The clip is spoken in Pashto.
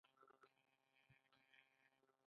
آیا د ایران سیاست پیچلی نه دی؟